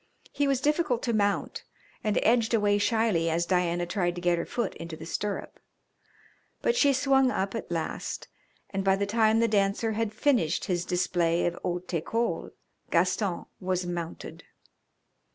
He was difficult to mount, and edged away shyly as Diana tried to get her foot into the stirrup. But she swung up at last, and by the time The Dancer had finished his display of haute ecole Gaston was mounted.